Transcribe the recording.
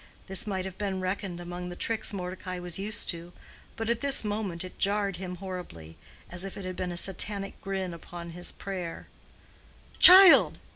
This might have been reckoned among the tricks Mordecai was used to, but at this moment it jarred him horribly, as if it had been a Satanic grin upon his prayer. "Child!